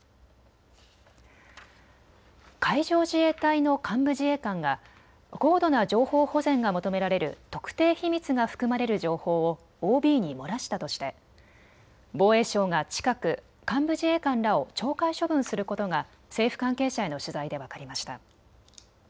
海上自衛隊の幹部自衛官が高度な情報保全が求められる特定秘密が含まれる情報をＯＢに漏らしたとして防衛省が近く幹部自衛官らを懲戒処分することが政府関係者への取材で分かりました。